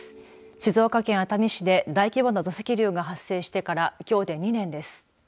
静岡県熱海市で大規模な土石流が発生してからきょうで２年です。